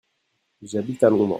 J'habite à Londres.